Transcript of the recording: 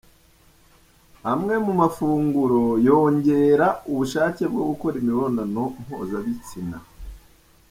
Amwe mu mafunguro yongera ubushake bwo gukora imibonano mpuzabitsina